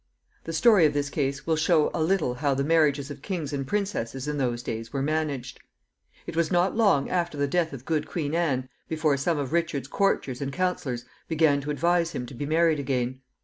The story of this case will show a little how the marriages of kings and princesses in those days were managed. It was not long after the death of good Queen Anne before some of Richard's courtiers and counselors began to advise him to be married again.